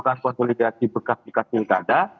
bukan konsolidasi bekas bekas pilkada